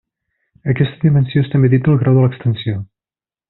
Aquesta dimensió és també dita el grau de l'extensió.